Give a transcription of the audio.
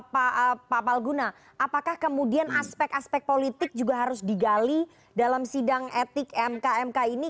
pak palguna apakah kemudian aspek aspek politik juga harus digali dalam sidang etik mk mk ini